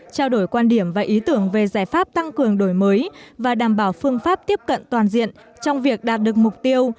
trao đổi quan điểm và ý tưởng về giải pháp tăng cường đổi mới và đảm bảo phương pháp tiếp cận toàn diện trong việc đạt được mục tiêu